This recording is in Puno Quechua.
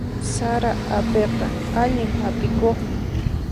Sara apiqa allin hap'ikuqmi.